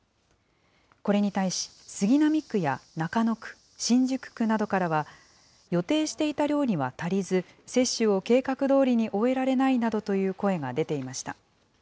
これに対し杉並区や中野区、新宿区などからは、予定していた量には足りず、接種を計画どおりに終えられないなどという声が出ていました。